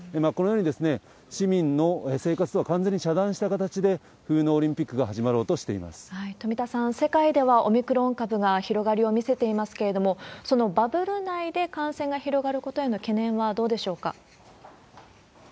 このように、市民の生活とは完全に遮断した形で冬のオリンピックが始まろうと富田さん、世界ではオミクロン株が広がりを見せていますけれども、そのバブル内で感染が広がることへの懸念はどうでしょうか。